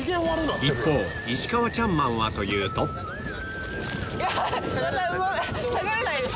一方石川チャンマンはというと下がれないです。